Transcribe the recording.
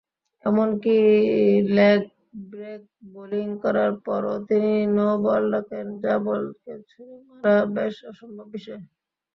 এমনকি, leg break bowling করার পরও তিনি নো-বল ডাকেন যা বলকে ছুড়ে মারা বেশ অসম্ভব বিষয়।